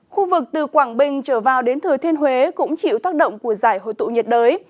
khu vực từ quảng bình trở vào đến thừa thiên huế cũng chịu tác động của giải hồi tụ nhiệt đới